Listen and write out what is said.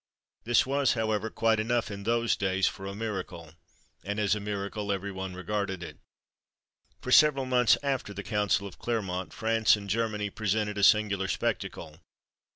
This was, however, quite enough in those days for a miracle, and as a miracle every one regarded it. For several months after the Council of Clermont, France and Germany presented a singular spectacle.